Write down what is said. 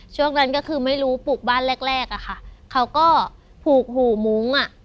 ช่วงนั้นก็คือไม่รู้ปลูกบ้านแรกแรกอะค่ะเขาก็ผูกหูมุ้งอ่ะ